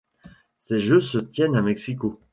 Ces Jeux se tiennent à Mexico.